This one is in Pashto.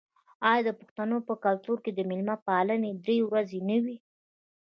آیا د پښتنو په کلتور کې د میلمه پالنه درې ورځې نه وي؟